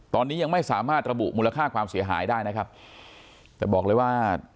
ตอนนี้ยังไม่สามารถระบุมูลค่าความเสียหายได้นะครับแต่บอกเลยว่า